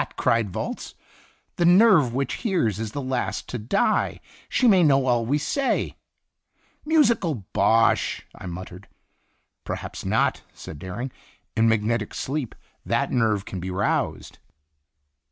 cried Volz; "the Sin Itinerant nerve which hears is last to die. She may know all we say." "Musical bosh!" I muttered. "Perhaps not," said Dering; "in magnetic sleep that nerve can be roused."